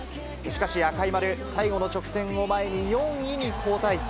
しかし、赤い丸、最後の直線を前に、４位に後退。